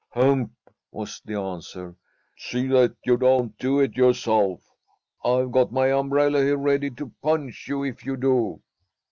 "Hump!" was the answer. "See that you don't do it yourself. I've got my umbrella here ready to punch you if you do."